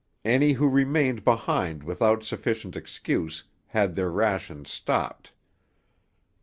Any who remained behind without sufficient excuse had their rations stopped.